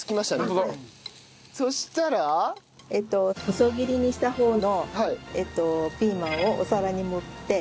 細切りにした方のピーマンをお皿に盛って。